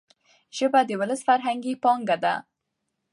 ژبه د ولس فرهنګي پانګه ده.